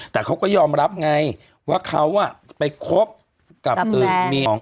แต่เขาก็ยอมรับไงว่าเขาอ่ะจะไปคบกับอื่น